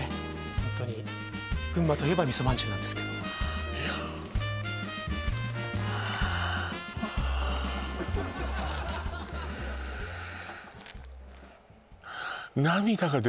ホントに群馬といえば味噌まんじゅうなんですけどいやねえ